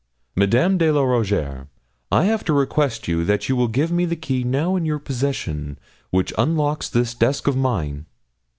'Madame de la Rougierre, I have to request you that you will give me the key now in your possession, which unlocks this desk of mine.'